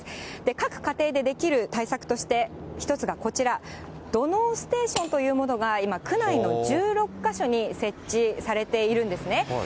各家庭でできる対策として、一つがこちら、土のうステーションというものが今、区内の１６か所に設置されているんですね。